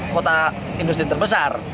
kota industri terbesar